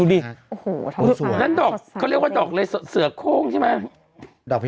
ดูดิโอ้โฮท้องฟ้าเขาเรียกว่าดอกเลยเสือกโค้งใช่ไหม